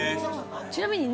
ちなみに。